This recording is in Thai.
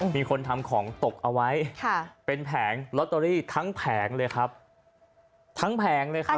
มีคนทำของตกเอาไว้ค่ะเป็นแผงลอตเตอรี่ทั้งแผงเลยครับทั้งแผงเลยครับ